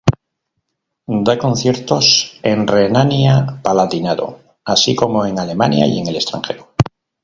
Da conciertos en Renania-Palatinado, así como en Alemania y en el extranjero.